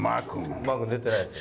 マー君出てないです。